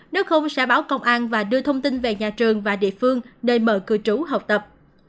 nếu không sẽ báo công an và đưa thông tin về nhà trường và địa phương nơi mở cư trú học tập